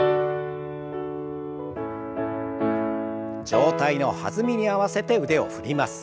上体の弾みに合わせて腕を振ります。